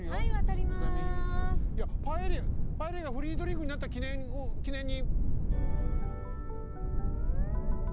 いやパエリアがフリードリンクになったきねんに。